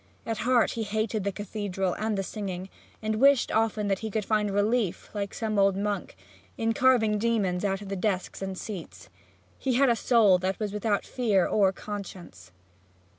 At heart he hated the cathedral and the singing, and wished often that he could find relief, like some old monk, in carving demons out of the desks and seats. He had a soul that was without fear or conscience.